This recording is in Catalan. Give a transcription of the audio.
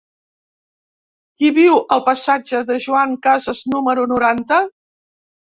Qui viu al passatge de Joan Casas número noranta?